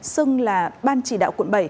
xưng là ban chỉ đạo quận bảy